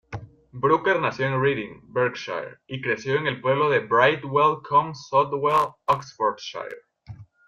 Brooker nació en Reading, Berkshire, y creció en el pueblo de Brightwell-cum-Sotwell, Oxfordshire.